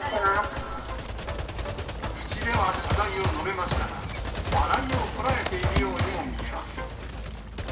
口では謝罪を述べましたが、笑いをこらえているようにも見えます。